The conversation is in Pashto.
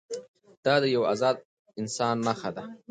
دا د یوه ازاد انسان نښه ده.